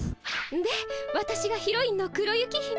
でわたしがヒロインの黒雪姫。